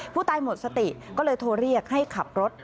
ผู้ตายหมดสติก็เลยโทรเรียกให้ขับรถ